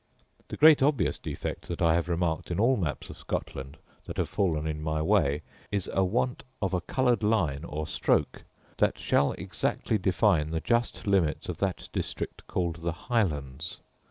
The great obvious defect that I have remarked in all maps of Scotland that have fallen in my way is, a want of a coloured line, or stroke, that shall exactly define the just limits of that district called the Highlands.